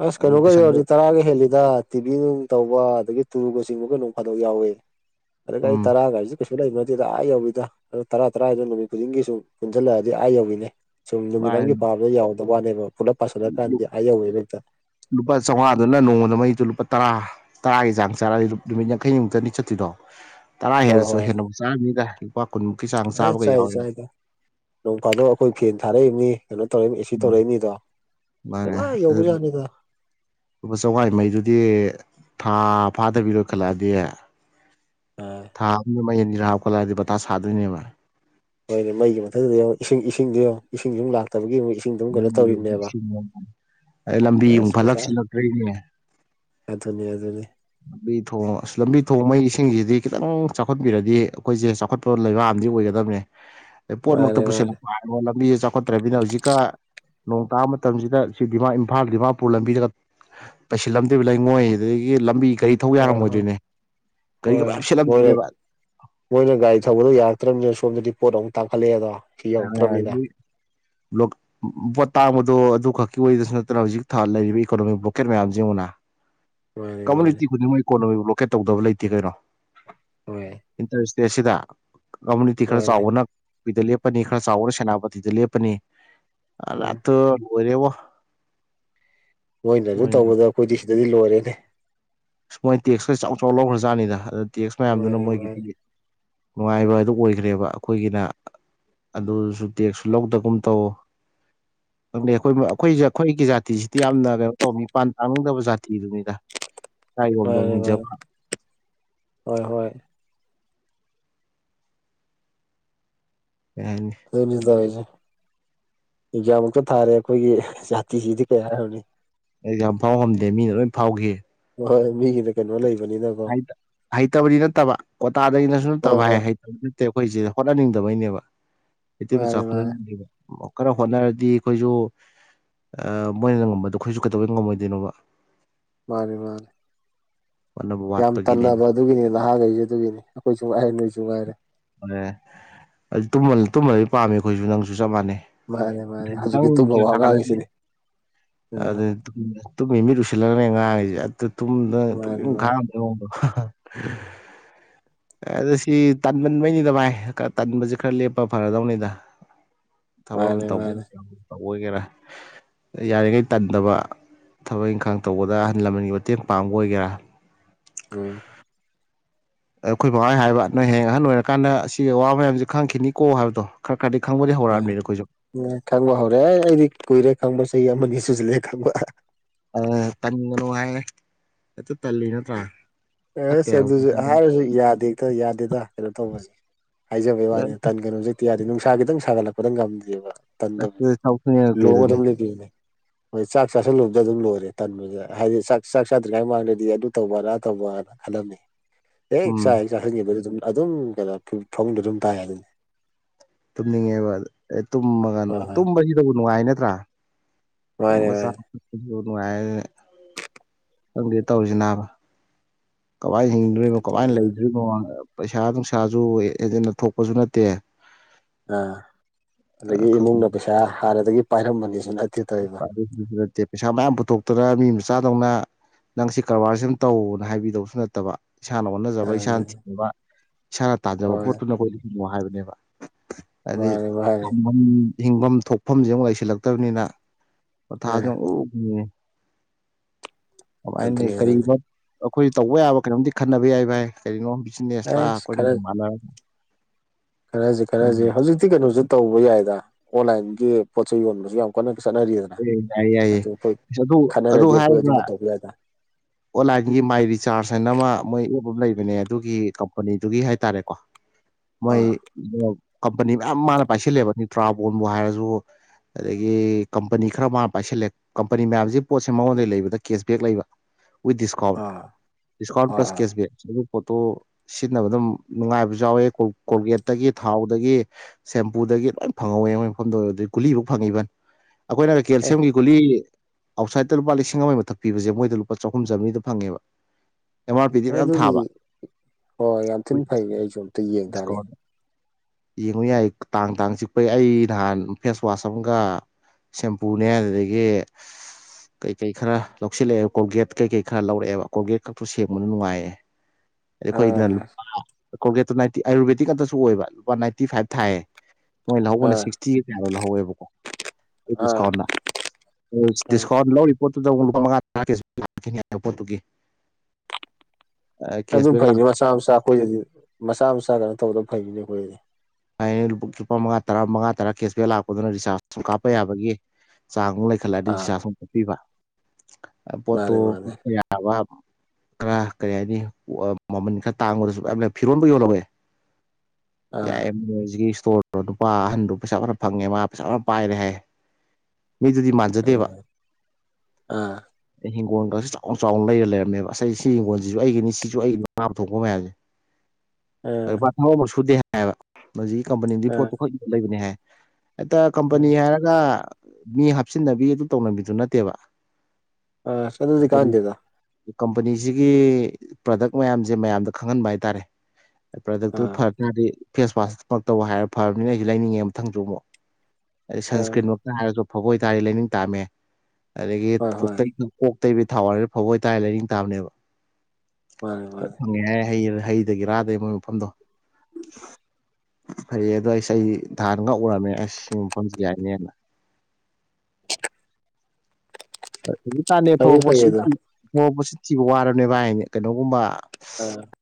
Speaker 1: ꯑꯁ
Speaker 2: ꯑꯗꯨ ꯄꯩꯁꯥꯗꯣ
Speaker 1: ꯀꯩꯅꯣꯒꯗꯤꯗꯤ ꯇꯔꯥꯒ ꯍꯦꯜꯂꯤꯗ ꯇꯤꯚꯤ ꯅꯨꯡ ꯇꯧꯕ ꯑꯗꯒꯤ ꯇꯨꯔꯨꯒꯆꯤꯡꯕꯒ ꯅꯨꯡ ꯐꯥꯗꯣꯛ ꯌꯥꯎꯏꯦ ꯑꯗꯒ ꯑꯩ
Speaker 2: ꯎꯝ
Speaker 1: ꯇꯔꯥꯒꯥꯏꯁꯨ ꯀꯩꯁꯨ ꯂꯩꯕ ꯅꯠꯇꯦꯗ ꯑꯥ ꯌꯧꯤꯗ ꯇꯔꯥ ꯇꯔꯥꯗꯅ ꯅꯨꯃꯤꯠ ꯈꯨꯗꯤꯡꯒꯤ ꯁꯨꯝ ꯄꯨꯟꯓꯜꯂꯛꯑꯗꯤ ꯑꯥ ꯌꯧꯒꯤꯅꯦ ꯁꯨꯝ
Speaker 2: ꯃꯥꯅꯦ
Speaker 1: ꯅꯨꯃꯤꯠꯒꯤ ꯄꯥꯕꯗ ꯌꯥꯎꯗꯕ ꯋꯥꯅꯦꯕ ꯄꯨꯂꯞ ꯄꯥꯁꯤꯜꯂꯛꯀꯥꯟꯗꯤ ꯑꯥ ꯌꯧꯋꯦ ꯍꯧꯛꯇ
Speaker 2: ꯂꯨꯄꯥ ꯆꯥꯝꯃꯉꯥꯗꯨꯅ ꯅꯣꯡꯃꯗ ꯃꯩꯗꯣ ꯂꯨꯄꯥ ꯇꯔꯥ ꯇꯔꯥꯒꯤ ꯆꯥꯡ ꯆꯥꯔꯛꯑꯗꯤ ꯅꯨꯃꯤꯠ ꯌꯥꯡꯈꯩꯅꯤꯃꯨꯛꯇꯅꯤ ꯆꯠꯇꯣꯏꯗꯣ ꯇꯔꯥ
Speaker 1: ꯍꯣꯏ
Speaker 2: ꯍꯦꯜꯂꯁꯨ
Speaker 1: ꯍꯣꯏ
Speaker 2: ꯍꯦꯟꯅ ꯑꯃꯨꯛ ꯆꯥꯔꯝꯅꯤꯗ ꯋꯥ ꯀꯨꯟꯃꯨꯛꯀꯤ ꯆꯥꯡ
Speaker 1: ꯑꯦ
Speaker 2: ꯆꯥꯕꯒ
Speaker 1: ꯆꯥꯏ
Speaker 2: ꯌꯥꯎꯔꯦ
Speaker 1: ꯆꯥꯏꯗ ꯅꯣꯡ ꯐꯥꯗꯣꯛ ꯑꯩꯈꯣꯏ ꯐꯦꯟ ꯊꯥꯔꯛꯏꯕꯅꯤ ꯀꯩꯅꯣ ꯇꯧꯔꯛꯏꯅꯤ ꯑꯦꯁꯤ
Speaker 2: ꯎꯝ
Speaker 1: ꯇꯧꯔꯛꯏꯕꯅꯤꯗꯣ ꯂꯃꯥꯏ ꯌꯧꯕꯖꯥꯠꯅꯤꯗ
Speaker 2: ꯂ ꯆꯋꯥꯏ ꯃꯩꯗꯨꯗꯤ ꯊꯥ ꯐꯥꯗꯕꯤꯔꯣ ꯈꯜꯂꯛꯑꯗꯤ
Speaker 1: ꯑꯥ
Speaker 2: ꯊꯥ ꯑ ꯃ ꯑꯟꯅꯤꯔ ꯍꯥꯞꯀꯠꯂꯛꯑꯗꯤ ꯕꯇꯥ ꯁꯥꯗꯣꯏꯅꯦꯕ
Speaker 1: ꯍꯣꯏꯅꯦ ꯃꯩꯒꯤ ꯃꯊꯛꯇꯗ ꯌꯦꯉ ꯏꯁꯤꯡ ꯏꯁꯤꯡꯗꯤ ꯌꯦꯉꯣ ꯏ ꯁꯨꯝ ꯂꯥꯛꯇꯕꯒꯤ ꯑꯃꯨꯛ ꯏꯁꯤꯡꯗꯨꯝ ꯀꯩꯅꯣ
Speaker 2: ꯃꯩ ꯌꯦ
Speaker 1: ꯇꯧꯔꯤꯕꯅꯦꯕ
Speaker 2: ꯏꯁꯤꯡ ꯑꯗꯩ ꯂꯝꯕꯤ ꯑꯃꯨ
Speaker 1: ꯑꯁ
Speaker 2: ꯐꯠꯂꯛ
Speaker 1: ꯄꯩꯁꯥ
Speaker 2: ꯁꯤꯜꯂꯛꯇ꯭ꯣꯏꯅꯦ
Speaker 1: ꯑꯗꯨꯅꯤ ꯑꯗꯨꯅꯤ
Speaker 2: ꯂꯝꯕꯤ ꯊꯣꯡ ꯑꯁ ꯂꯝꯕꯤ ꯊꯣꯡꯉꯩ ꯏꯁꯤꯡꯁꯤꯗꯤ ꯈꯤꯇꯪ ꯆꯥꯎꯈꯠꯄꯤꯔꯗꯤ ꯑꯩꯈꯣꯏꯁꯦ ꯆꯥꯎꯈꯠ ꯄꯣ ꯂꯩꯕꯥꯛ ꯑꯥꯔꯃꯤ ꯑꯣꯏꯒꯗꯕꯅꯦ
Speaker 1: ꯏꯟꯑꯣꯗꯤꯕꯜ
Speaker 2: ꯄꯣꯠꯃꯛꯇ ꯄꯨꯁꯤꯜꯂꯛꯄ ꯍꯥꯏꯔꯣ ꯂꯝꯕꯤꯁꯦ ꯆꯥꯎꯈꯠꯇ꯭ꯔꯅꯤꯅ ꯍꯧꯖꯤꯛꯀ ꯅꯣꯡ ꯇꯥꯕ ꯃꯇꯝꯁꯤꯗ ꯁꯤ ꯗꯤꯃꯥ ꯏꯝꯐꯥꯜ ꯗꯤꯃꯥꯄꯨꯔ ꯂꯝꯕꯤꯗꯒ ꯄꯩꯁꯤ ꯂꯝꯗꯕ ꯂꯩꯉꯣꯏ ꯑꯗꯒꯤ ꯂꯝꯕꯤ ꯒꯥꯔꯤ ꯊꯧ
Speaker 1: ꯍꯣꯏ
Speaker 2: ꯌꯥꯔꯝꯃꯣꯏꯗꯣꯏꯅꯦ ꯒꯥꯔꯤꯒ
Speaker 1: ꯍꯣꯏ
Speaker 2: ꯃꯌꯥꯝ
Speaker 1: ꯍꯣꯏ
Speaker 2: ꯁꯤꯠꯂꯝꯗꯣꯏꯅꯦꯕ
Speaker 1: ꯃꯣꯏꯅ ꯒꯥꯔꯤ ꯊꯧꯕꯗꯣ ꯌꯥꯔꯛꯇ꯭ꯔꯅꯤꯅ ꯁꯣꯝꯗ ꯄꯣꯠ ꯑꯃꯨꯛ ꯇꯥꯡꯈꯠꯂꯑꯦꯗꯣ
Speaker 2: ꯑ ꯂ ꯄꯣꯠ ꯇꯥꯡꯕꯗꯣ ꯑꯗꯨ ꯈꯛꯀꯤ ꯑꯣꯏꯗꯁꯨ ꯅꯠꯇꯅ ꯍꯧꯖꯤꯛ ꯂꯩꯔꯤꯕ ꯏꯀꯣꯅꯣꯃꯤꯛ ꯕ꯭ꯂꯣꯀꯦꯠ ꯃꯌꯥꯝꯁꯤꯡ ꯑꯃꯅ
Speaker 1: [unintelligible] ꯃꯥꯅꯤ
Speaker 2: ꯀꯝꯃꯨꯅꯤꯇꯤ ꯈꯨꯗꯤꯡꯃꯛ ꯏꯀꯣꯅꯣꯃꯤ ꯕ꯭ꯂꯣꯀꯦꯠ ꯇꯧꯗꯕ ꯂꯩꯇꯦ ꯀꯩꯅꯣ
Speaker 1: ꯍꯣꯏ
Speaker 2: ꯏꯟꯇꯔ ꯏꯁꯇꯦꯠꯁꯤꯗ ꯀꯝꯃꯨꯅꯤꯇꯤ ꯈꯔ
Speaker 1: ꯃꯥꯅꯤ
Speaker 2: ꯆꯥꯎꯕꯅ ꯄꯤꯗ ꯂꯦꯞ ꯂꯞꯄꯅꯤ ꯈꯔ ꯆꯥꯎꯅ ꯁꯦꯅꯥꯄꯇꯤꯗ ꯂꯦꯞꯄꯅꯤ ꯑ
Speaker 1: ꯎꯝ
Speaker 2: ꯑꯝꯇ ꯂꯣꯏꯔꯦꯕ
Speaker 1: ꯃꯣꯏꯅ ꯑꯗꯨꯝ ꯇꯧꯕꯗ ꯑꯩꯈꯣꯏꯗꯤ ꯁꯤꯗꯗꯤ ꯂꯣꯏꯔꯦꯅꯦ
Speaker 2: ꯃꯣꯏ ꯇꯦꯛꯁꯀꯩ ꯆꯥꯎ ꯆꯥꯎ ꯂꯧꯈ꯭ꯔꯖꯥꯠꯅꯤꯗ ꯑꯗ ꯇꯦꯛꯁ ꯃꯌꯥꯝꯗꯨꯅ
Speaker 1: ꯃꯥꯅꯤ
Speaker 2: ꯃꯣꯏꯒꯤꯗꯤ
Speaker 1: ꯃꯥꯅꯤ
Speaker 2: ꯅꯨꯡꯉꯥꯏꯕ ꯑꯗꯨ ꯑꯣꯏꯈ꯭ꯔꯦꯕ ꯑꯩꯈꯣꯏꯒꯤꯅ ꯑꯗꯨꯁꯨ ꯇꯦꯛꯁꯁꯨ ꯂꯧꯗꯒꯨꯝ ꯇꯧ ꯪ ꯑꯩꯈꯣꯏ ꯑꯩꯈꯣꯏꯁꯦ ꯑꯩꯈꯣꯏꯒꯤ ꯖꯥꯇꯤꯁꯤꯗꯤ ꯌꯥꯝꯅ ꯀꯩꯅꯣ ꯇꯧꯅꯤꯄꯥꯟ ꯇꯥꯅꯤꯡꯗꯕ ꯖꯥꯇꯤꯗꯨꯅꯤꯗ ꯏꯁꯥ ꯌꯣꯝꯗꯣꯝ
Speaker 1: ꯃꯥꯦ ꯃꯥ
Speaker 2: ꯍꯤꯡꯖꯕ
Speaker 1: ꯍꯣꯏ ꯍꯣꯏ
Speaker 2: ꯌꯥꯅꯤ
Speaker 1: ꯑꯗꯨ ꯃꯤꯁꯗꯁꯦ ꯑꯦꯛꯖꯥꯃꯨꯛꯇ ꯊꯥꯔꯦ ꯑꯩꯈꯣꯏꯒꯤ ꯖꯥꯇꯤꯁꯤꯗꯤ ꯀꯌꯥ ꯍꯥꯏꯔꯔꯕꯅꯤ
Speaker 2: ꯑꯩ ꯌꯥꯝ ꯐꯥꯎ ꯉꯝꯗꯦ ꯃꯤꯅ ꯂꯣꯏ ꯐꯥꯎꯈꯤ
Speaker 1: ꯍ ꯍꯣꯏ ꯃꯤꯒꯤꯅ ꯀꯩꯅꯣ ꯂꯩꯕꯅꯤꯅ
Speaker 2: ꯍꯩꯇꯕꯗꯤ ꯅꯠꯇꯕ ꯀ꯭ꯇꯥꯗꯒꯤꯅꯁꯨ
Speaker 1: ꯍꯣꯏ
Speaker 2: ꯅꯠꯇꯕꯚ
Speaker 1: ꯍꯣꯏ
Speaker 2: ꯑꯗꯨ ꯅꯠꯇꯦ ꯑꯩꯈꯣꯏꯁꯦ ꯍꯣꯠꯅꯅꯤꯡꯗꯕꯩꯅꯦꯕ ꯏꯇꯤ ꯃꯆꯥ
Speaker 1: ꯃꯥꯅꯤ ꯃꯥꯅꯤ
Speaker 2: ꯍꯣꯠꯅꯍꯟꯅꯤꯡꯗꯦꯕ ꯀꯟꯅ ꯍꯣꯠꯅꯔꯗꯤ ꯑꯩꯈꯣꯏꯁꯨ ꯃꯣꯏꯅ ꯉꯝꯕꯗꯣ ꯑꯩꯈꯣꯏꯁꯨ ꯀꯩꯗꯧꯕꯩ ꯉꯝꯃꯣꯏꯗꯣꯏꯅꯣꯕ
Speaker 1: ꯃꯥꯅꯦ ꯃꯥꯅꯤ
Speaker 2: ꯍꯣꯠꯅꯕ
Speaker 1: ꯌꯥꯝ
Speaker 2: ꯋꯥꯠꯄꯒꯤꯅꯦ
Speaker 1: ꯇꯟꯅꯕ ꯑꯗꯨꯒꯤꯅꯤ ꯅꯍꯥꯈꯩꯁꯦ ꯑꯗꯨꯒꯤꯅꯤ ꯑꯩꯈꯣꯏꯁꯨꯥꯏꯍꯦꯟ ꯅꯣꯏꯁꯨ ꯉꯥꯏꯔꯦ
Speaker 2: ꯍ ꯑꯗꯨ ꯇꯨꯝꯕꯗꯤ ꯄꯥꯝꯃꯦ ꯑꯩꯈꯣꯏꯁꯨ ꯅꯪꯁꯨ ꯆꯞ ꯃꯥꯟꯅꯩ
Speaker 1: ꯃꯥꯅꯦ ꯃꯥꯅꯦ ꯍꯧꯖꯤꯛꯀꯤ ꯇꯨꯝꯕ ꯋꯥ
Speaker 2: ꯊꯒ ꯂꯅꯤ
Speaker 1: ꯉꯥꯡꯉꯤꯁꯤꯅꯤ ꯑꯥ
Speaker 2: ꯑꯗ ꯇꯨꯝꯃꯤ ꯃꯤꯠ ꯂꯨꯁꯤꯜꯂꯒꯅꯤ ꯉꯥꯡꯉꯁꯦ ꯑꯗꯨ ꯇꯨꯝꯗꯥꯡ
Speaker 1: ꯃꯥꯅꯤ ꯃꯥꯅꯤ
Speaker 2: ꯗꯣ ꯑꯦ ꯑꯗ ꯁꯤ ꯇꯟꯃꯟꯕꯩꯅꯤꯗ ꯚꯥꯏ ꯇꯟꯕꯁꯤ ꯈꯔ ꯂꯦꯞꯄ ꯐꯔꯗꯧꯅꯤꯗ
Speaker 1: [unintelligible]
Speaker 2: ꯊꯕꯛ ꯑꯃ ꯇꯧꯕ
Speaker 1: ꯃꯥꯅꯤ
Speaker 2: ꯇ ꯑꯣꯏꯒꯦꯔꯥ ꯌꯥꯔꯤꯈꯩ ꯇꯟꯗꯕ ꯊꯕꯛ ꯏꯪꯈꯥꯡ ꯇꯧꯕꯗ ꯑꯍꯜ ꯂꯃꯟꯒꯤ ꯃꯇꯦꯡ ꯄꯥꯡꯕ ꯑꯣꯏꯒꯦꯔꯥ
Speaker 1: ꯎꯝ
Speaker 2: ꯑꯩꯈꯣꯏ ꯕꯕꯥ ꯍꯥꯏꯕ ꯅꯣꯏ ꯍꯌꯦꯡ ꯑꯍꯟ ꯑꯣꯏꯔꯀꯥꯟꯗ ꯑꯁꯤꯒꯤ ꯑꯋꯥ ꯃꯌꯥꯝꯁꯦ ꯈꯪꯈꯤꯅꯤꯀꯣ ꯍꯥꯏꯕꯗꯣ ꯈꯔ ꯈꯔꯗꯤ ꯈꯪꯕꯗꯤ ꯍꯧꯔꯛꯑꯅꯤꯅ ꯑꯩꯣꯏꯁꯨ
Speaker 1: ꯎꯝ ꯈꯪꯕ ꯍꯧꯔꯦ ꯑꯦ ꯑꯩꯗꯤ ꯀꯨꯏꯔꯦ ꯈꯪꯕ ꯆꯍꯤ ꯑꯃꯅꯤ ꯁꯨꯖꯜꯂꯦ ꯈꯪꯕ
Speaker 2: ꯑ ꯇꯟꯒꯅꯨ ꯍꯥꯏ ꯑꯛꯇ ꯇꯜꯂꯤ ꯅꯠꯇ꯭ꯔꯥ ꯐꯠꯇꯦ
Speaker 1: ꯑꯦꯁ
Speaker 2: ꯍꯥꯏꯕ
Speaker 1: ꯑꯗꯨꯁꯨ ꯍꯥꯏꯔꯁꯨ ꯌꯥꯗꯦꯦꯛꯇ ꯌꯥꯗꯦꯗ ꯀꯩꯅꯣ ꯇꯧꯕꯁꯦ ꯍꯥꯏꯖꯕꯩ ꯋꯥꯅꯤ ꯇꯟ ꯀꯩꯅꯣꯁꯛꯇꯤ ꯌꯥꯗꯦ ꯅꯨꯡꯁꯥ ꯈꯤꯇꯪ ꯁꯥꯒꯠꯂꯛꯄꯗꯪ ꯉꯝꯗꯦꯕ ꯇ
Speaker 2: ꯆꯥꯎꯊꯅꯤꯡꯉꯛꯇꯦ
Speaker 1: ꯂ
Speaker 2: ꯑꯗꯨꯅꯦ
Speaker 1: ꯑꯗꯨꯝ ꯂꯩ ꯄꯅꯦ ꯍꯣꯏ ꯆꯥꯛ ꯆꯥꯁꯤꯜꯂꯨꯕꯗ ꯑꯗꯨꯝ ꯂꯣꯏꯔꯦ ꯇꯟꯕꯗ ꯍꯥꯏꯗꯤ ꯆꯥꯛ ꯆꯥꯛ ꯆꯥꯗ꯭ꯔꯤꯉꯩ ꯃꯥꯡꯗꯗꯤ ꯑꯗꯨ ꯇꯧꯕ ꯈꯅꯤꯁ
Speaker 2: ꯎꯝ
Speaker 1: ꯆꯥꯛꯁꯤꯟꯕ ꯑꯗꯨꯝ ꯑꯗꯨꯝ ꯀꯩꯅꯣ ꯐꯣꯡꯗꯣ ꯑꯗꯨꯝ ꯇꯥꯏ ꯑꯗꯨꯗꯤ
Speaker 2: ꯇꯨꯝꯅꯤꯡꯉꯦꯕ ꯑꯦ ꯇꯨꯝꯃꯒꯅ
Speaker 1: ꯍꯣꯏ ꯍꯣꯏ
Speaker 2: ꯇꯨꯝꯕꯁꯤꯗꯕꯨ ꯅꯨꯡꯉꯥꯏ ꯅꯠꯇ꯭ꯔꯥ
Speaker 1: ꯃꯥꯅꯦ
Speaker 2: ꯇꯝꯕ
Speaker 1: ꯃꯥꯅꯦ
Speaker 2: ꯁꯥꯐꯅꯨꯡꯉ ꯈꯪꯗꯦ ꯇꯧꯔꯤꯁꯤ ꯕ ꯀꯃꯥꯏꯅ ꯍꯤꯡꯗꯣꯔꯤꯅꯣ
Speaker 1: ꯑꯗꯨꯅꯦ
Speaker 2: ꯀꯃꯥꯏꯅ ꯂꯩꯗꯣꯔꯤꯅꯣ ꯄꯩꯁꯥ ꯅꯨꯡꯁꯥꯁꯨ ꯍꯖꯟꯅ ꯊꯣꯛꯄꯁꯨ ꯅꯠꯇꯦ
Speaker 1: ꯑꯥ ꯑꯗꯨꯗꯒꯤ
Speaker 2: ꯈꯪꯗꯦ
Speaker 1: ꯏꯃꯨꯡꯅ ꯄꯩꯁꯥ ꯍꯥꯥꯟꯔꯗꯒꯤ ꯄꯥꯏꯔꯃꯅꯤꯁꯤꯅ
Speaker 2: ꯑꯗꯨꯁꯨ ꯅꯠꯇꯦ ꯄꯩꯁꯥ ꯃꯌꯥꯝ ꯄꯨꯊꯣꯛꯇꯅ ꯃꯤ ꯃꯆꯥꯗꯧꯅ ꯅꯪ ꯁꯤ ꯀꯔꯕꯥꯔꯁ ꯑꯃ ꯇꯧꯅ ꯍꯥꯏꯕꯤꯗꯕꯁꯨ ꯅꯠꯇꯕ ꯏꯁꯥꯅ ꯍꯣꯠꯅꯖꯕ ꯏꯁꯥꯅ
Speaker 1: ꯑꯗꯨꯅꯤ
Speaker 2: ꯊꯤꯕ ꯏꯁꯥꯅ ꯇꯥꯖꯕ
Speaker 1: ꯍꯣꯏ
Speaker 2: ꯄꯣꯠꯇꯨꯅ ꯑꯩꯈꯣꯏ ꯍꯥꯏꯕꯅꯦꯕ ꯍꯥꯏꯗꯤ
Speaker 1: ꯃꯥꯅꯤ ꯃꯥꯅꯤ
Speaker 2: ꯍꯤꯡꯐꯝ ꯊꯣꯛꯐꯝꯁꯦ ꯑꯃꯨꯛ ꯂꯩꯁꯤꯜꯂꯛꯇꯕꯅꯤꯅ ꯄꯣꯊꯥꯁ
Speaker 1: ꯑꯥ
Speaker 2: ꯑꯃꯨꯛꯄꯅꯤꯅꯦ
Speaker 1: ꯑꯗꯨꯅꯤ
Speaker 2: ꯑꯗꯨꯃꯥꯏꯅ
Speaker 1: ꯑꯗꯨꯅꯤ
Speaker 2: ꯀꯔꯤꯒꯨꯝꯕ ꯑꯩꯈꯣꯏꯁ ꯇꯧꯕ ꯌꯥꯕ ꯀꯩꯅꯣꯝꯗꯤ ꯈꯟꯅꯕ ꯌꯥꯏ ꯚꯥꯏ ꯀꯔꯤꯅꯣ ꯕꯤꯖꯤꯅꯦꯁ ꯂꯥꯛ
Speaker 1: ꯑꯩꯁ
Speaker 2: ꯑꯩꯈꯣꯏ ꯃꯥꯟꯅ
Speaker 1: ꯈꯟꯅꯅꯁꯤ ꯈꯟꯅꯅꯁꯤ ꯍꯧꯖꯤꯛꯇꯤ ꯀꯩꯅꯣꯁꯤꯦ ꯇꯧꯕ ꯌꯥꯏꯗ ꯑꯣꯟꯂꯥꯏꯟꯒꯤ ꯄꯣꯠ ꯆꯩ ꯌꯣꯟꯕꯁꯤꯁꯨ ꯌꯥꯝ ꯅ ꯆꯠꯅꯔꯤꯗꯅ
Speaker 2: ꯌꯥꯏꯌꯦ ꯌꯥꯏꯌꯦ
Speaker 1: ꯑꯗꯨ ꯑꯩꯈꯣꯏ
Speaker 2: ꯑꯁ ꯑꯗꯨ ꯑꯗꯨ
Speaker 1: ꯈꯟꯅꯔꯗꯤ ꯑꯩꯈꯣꯏ
Speaker 2: ꯍꯥꯏꯔꯒ
Speaker 1: ꯑꯗꯨꯃ ꯇꯧꯕ ꯌꯥꯏꯗꯦ
Speaker 2: ꯑꯣꯟꯂꯥꯏꯟꯒꯤ ꯃꯥꯏ ꯔꯤꯆꯥꯔꯖ ꯍꯥꯏꯅ ꯑꯃ ꯃꯣꯏ ꯑꯦꯞ ꯑꯃ ꯂꯩꯕꯅꯦ ꯑꯗꯨꯒꯤ ꯀꯝꯄꯅꯤꯗꯨꯒꯤ ꯍꯥꯏꯇꯥꯔꯦꯀꯣ
Speaker 1: [inaudible]
Speaker 2: ꯃꯣꯏ ꯀꯝꯄꯅꯤ ꯃꯌꯥꯝ ꯃꯥꯅ ꯄꯥꯏꯁꯤꯜꯂꯦꯕꯇ꯭ꯔꯥꯕꯣꯟꯕꯨ ꯍꯥꯏꯔꯁꯨ ꯑꯗꯒꯤ ꯀꯝꯄꯅꯤ ꯈꯔ ꯃꯥꯅ ꯄꯥꯏꯁꯜꯂꯦ ꯀꯝꯄꯅꯤ ꯃꯌꯥꯝꯁꯤꯒꯤ ꯄꯣꯠꯁꯦ ꯃꯉꯣꯟꯗꯩ ꯂꯩꯕꯗ ꯀꯦꯁꯕꯦꯛ ꯂꯩꯕ ꯋꯤꯠ ꯗꯤꯁꯀꯥꯎꯟ
Speaker 1: ꯑꯥ
Speaker 2: ꯗꯤꯁꯀꯥꯎꯟ
Speaker 1: ꯑꯥ
Speaker 2: ꯄ꯭ꯂꯁ
Speaker 1: ꯑꯥ
Speaker 2: ꯀꯦꯁꯕꯦꯛ ꯄꯣꯠꯇꯣ ꯁꯤꯖꯤꯟꯅꯕ ꯑꯗꯨꯝ ꯅꯨꯡꯉꯥꯏꯕꯁꯨ ꯌꯥꯎꯋꯦ ꯀꯣꯜꯒꯦꯠꯇꯒꯤ ꯊꯥꯎꯗꯒꯤ ꯁꯦꯝꯄꯨꯗꯒꯤ ꯂꯣꯏ ꯐꯪꯍꯧꯋꯦ ꯃꯣꯏ ꯃꯐꯝꯗ ꯑꯗꯨ ꯀꯨꯂꯤꯐꯥꯎ ꯐꯪꯉꯤꯕꯅꯤ ꯑꯩꯈꯣꯏꯅꯒ
Speaker 1: ꯑꯦ
Speaker 2: ꯀꯦꯜꯁꯤꯌꯝꯒꯤ ꯒꯨꯂꯤ ꯑꯥꯎꯠꯁꯥꯏꯗꯠꯇ ꯂꯨꯄꯥ ꯂꯤꯁꯤꯡ ꯑꯃꯒꯤ ꯃꯊꯛ ꯄꯤꯕꯁꯦ ꯃꯣꯏꯗ ꯂꯨꯄꯥ ꯆꯍꯨꯝ ꯆꯥꯝꯔꯤꯗ ꯐꯪꯉꯦꯕ ꯑꯦꯝ ꯑꯥꯔ ꯄꯤꯗꯤ
Speaker 1: ꯑꯦ
Speaker 2: ꯃꯌꯥꯝ
Speaker 1: ꯑꯗꯨꯗꯤ
Speaker 2: ꯊꯥꯕ
Speaker 1: ꯍꯣꯏ ꯌꯥꯝ ꯊꯤꯅ ꯐꯩꯅꯦ ꯑꯩꯁꯨ ꯑꯝꯇ ꯌꯦꯡ ꯇꯥꯔꯦ
Speaker 2: ꯌꯦꯡꯉꯨ ꯌꯥꯏ ꯇꯥꯡ ꯇꯥꯡ ꯆꯤꯛꯄꯩ ꯑꯩ ꯅꯍꯥꯟ ꯐꯦꯁꯋꯥꯁ ꯑꯃꯒ ꯁꯦꯝꯄꯨꯅꯦ ꯑꯗꯨꯗꯒꯤ ꯀꯩꯀꯩ ꯈꯔ ꯂꯧꯁꯤꯜꯂꯛꯑꯦꯕ ꯀꯣꯜꯒꯦꯠ ꯀꯩ ꯀꯩ ꯈꯔ ꯂꯧꯔꯛꯑꯦꯕ ꯀꯣꯒꯦꯠ ꯈꯛꯇꯨ ꯁꯦꯡꯕꯅ ꯅꯨꯡꯉꯥꯏꯌꯦꯦ ꯑꯩꯈꯣꯏꯅ
Speaker 1: ꯑꯥ
Speaker 2: ꯂꯨꯄꯥ ꯀꯣꯜꯦꯠꯇ ꯑꯌꯨꯔꯕꯦꯗꯤꯛ ꯑꯛꯇꯁꯨ ꯑꯣꯏꯕꯨꯄꯥ ꯅꯥꯏꯟꯇꯤ ꯐꯥꯏꯚ ꯊꯥꯏꯌꯦ ꯃꯣꯏ ꯂꯧꯍꯧꯕꯅ
Speaker 1: ꯑꯥ
Speaker 2: ꯁꯤꯛꯁꯇꯤꯒ ꯀꯌꯥꯔꯣ ꯂꯧꯍꯧꯋꯦꯕꯀꯣ
Speaker 1: ꯑꯥ
Speaker 2: ꯗꯤꯁꯀꯥꯎꯟꯗ
Speaker 1: ꯑꯥ
Speaker 2: ꯗꯤꯁꯀꯥꯎꯟ ꯂꯧꯔꯤ ꯄꯣꯠꯇꯨꯗꯨ ꯂꯨꯄꯥ ꯃꯉꯥ ꯊ ꯂꯥꯛꯈꯤꯅꯤ ꯍꯥꯏꯕ ꯄꯣꯠꯇꯨꯒꯤ
Speaker 1: ꯑꯗꯨꯝ
Speaker 2: ꯀꯦꯁꯕꯦꯛ ꯂꯥꯛ
Speaker 1: ꯐꯩꯅꯤ ꯃꯆꯥ ꯃꯆꯥ ꯑꯩꯈꯣꯏꯗꯗꯤ ꯃꯆꯥ ꯃꯆꯥ ꯀꯩꯅꯣ ꯇꯧꯕꯗ ꯐꯩꯅꯤ ꯑꯩꯈꯣꯏꯗꯗꯤ
Speaker 2: ꯍꯥꯏꯩꯅ ꯂꯨꯄꯥ ꯃꯉꯥ ꯇꯔꯥ ꯃꯉꯥ ꯇꯔꯥ ꯀꯦꯁꯕꯦꯛ ꯂꯥꯛꯄꯗꯨꯅ ꯔꯤꯆꯥꯔꯖ ꯁꯨꯝ ꯀꯥꯞꯄ ꯌꯥꯕꯒꯤ ꯆꯥꯡ ꯈꯂꯗꯤ
Speaker 1: ꯑꯥ
Speaker 2: ꯁꯥ ꯁꯄꯤꯕ ꯄꯣꯠꯇꯣ
Speaker 1: ꯃꯥꯅꯦ ꯃꯥꯅꯦ
Speaker 2: ꯈꯔ ꯀꯔꯤ ꯍꯥꯏꯅꯤ ꯃꯃꯟ ꯈꯔ ꯇꯥꯡꯕꯗꯁꯨ ꯌꯥꯝ ꯐꯤꯔꯣꯟꯕ ꯌꯣꯜꯍꯧꯋꯦ ꯆ
Speaker 1: ꯑꯥ
Speaker 2: ꯃꯣꯏꯁꯤꯀꯤ ꯏꯁ꯭ꯇꯣꯔꯗꯣ ꯅꯨꯄꯥ ꯑꯍꯟꯗꯣ ꯄꯩꯁꯥ ꯈꯔ ꯐꯪꯉꯦ ꯃꯥ ꯄꯩꯁꯥ ꯈꯔ ꯄꯥꯏꯔꯦ ꯍꯥꯏꯌꯦ ꯃꯤꯗꯨꯗꯤ
Speaker 1: ꯐꯩ
Speaker 2: ꯃꯥꯟꯖꯗꯦꯕ
Speaker 1: ꯑꯥ
Speaker 2: ꯑꯦ ꯍꯤꯡꯒꯣꯜꯒꯁꯨ ꯆꯥꯎꯅ ꯆꯥꯎꯅ ꯂꯩꯔ ꯂꯩꯔꯝꯃꯦꯕ ꯑꯁꯤꯁ ꯁꯤ ꯍꯤꯡꯒꯣꯜꯁꯤꯁꯨ ꯑꯩꯒꯤꯅꯤ ꯁꯤꯁꯨ ꯑꯩꯒꯤ ꯥꯝ ꯊꯣꯛꯄ ꯃꯌꯥꯝꯁꯦ
Speaker 1: [inaudible]
Speaker 2: ꯄꯥ ꯊꯕꯃꯨꯛ ꯁꯨꯗꯦ ꯍꯥꯏꯕ ꯃꯁꯤꯒꯤ ꯀꯝꯄꯅꯤꯗꯤ
Speaker 1: ꯑꯥ
Speaker 2: ꯄꯣꯠꯇꯨ ꯈꯠ ꯂꯩꯕꯅꯤ ꯍꯥꯏ ꯍꯦꯛꯇ ꯀꯝꯄꯅꯤ ꯍꯥꯏꯔꯒ ꯃꯤ ꯍꯥꯞꯆꯤꯟꯅꯕꯤ ꯑꯗꯨ ꯇꯧꯅꯕꯤꯗꯨ ꯅꯠꯇꯦꯕ
Speaker 1: ꯑ ꯆ ꯑꯗꯨꯗꯤ
Speaker 2: ꯀꯝꯄꯅꯤ
Speaker 1: ꯀꯥꯟꯗꯦꯗ
Speaker 2: ꯀꯝꯄꯅꯤꯁꯤꯒꯤ ꯄ꯭ꯔꯗꯛ ꯃꯌꯥꯝꯁꯦ ꯃꯌꯥꯝꯗ ꯈꯪꯍꯟꯕ ꯍꯥꯏꯇꯥꯔꯦ ꯄ꯭ꯔꯗꯛꯇꯨ
Speaker 1: ꯑꯥ
Speaker 2: ꯐ ꯇꯥꯔꯗꯤ ꯐꯦꯁ ꯋꯥꯁꯇꯃꯛ ꯇꯧꯕ ꯍꯥꯏꯔ ꯐꯕꯔꯕꯅꯤꯅ ꯑꯩꯁꯨ ꯂꯩꯅꯤꯡꯉꯦ ꯑꯃ ꯊꯪꯖ ꯑꯃꯨꯛ ꯑꯗꯩ
Speaker 1: ꯑꯥ
Speaker 2: ꯁꯟꯁꯀ꯭ꯔꯤꯟꯃꯛꯇ ꯍꯥꯏꯔꯁꯨ ꯐꯒꯣꯏ ꯇꯥꯔꯤ ꯂꯩꯅꯤꯡ ꯇꯥꯝꯃꯦ ꯑꯗꯒꯤ
Speaker 1: ꯍꯣꯏ ꯍꯣꯏ
Speaker 2: ꯄꯨꯣꯛꯩ ꯀꯣꯛ ꯇꯩꯕ ꯊꯥꯎꯋꯥꯔ ꯐꯕ ꯑꯣꯏ ꯇꯥꯏꯔ ꯂꯔꯤꯡ ꯇꯥꯕꯅꯦꯕ
Speaker 1: ꯐꯔꯦ ꯐꯔꯦ
Speaker 2: ꯪꯉꯦ ꯍꯥꯏꯔꯦ ꯍꯩ ꯍꯩꯗꯒꯤ ꯔꯥꯗ ꯃꯣꯏ ꯃꯐꯝꯗꯣ ꯐꯩꯌꯦ ꯑꯗꯣ ꯑꯩꯁꯦ ꯑꯩ ꯅꯍꯥꯟꯒ ꯎꯔꯝꯃꯦ ꯑꯁ ꯁꯤꯕ ꯃꯐꯝꯁꯤꯦ ꯌꯥꯏꯅꯦꯅ
Speaker 1: [inaudible]
Speaker 2: ꯍꯧꯖꯤꯇꯥꯅꯤ
Speaker 1: ꯐꯩꯌꯦ ꯐꯩꯌꯦ
Speaker 2: ꯑꯔꯄꯣꯠꯁꯤ
Speaker 1: ꯑꯗꯨ
Speaker 2: ꯑꯔ ꯄꯣꯠꯁꯤ ꯊꯤꯕ ꯋꯥꯔꯕꯅꯦꯕ ꯍꯥꯏ ꯀꯩꯅꯣꯒꯨꯝꯕ
Speaker 1: ꯑ